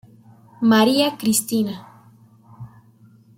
María Cristina.